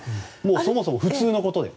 そもそも普通のことで。